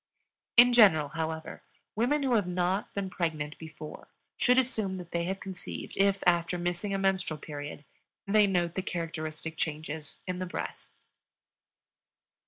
In general, however, women who have not been pregnant before should assume that they have conceived if, after missing a menstrual period, they note the characteristic changes in the breasts.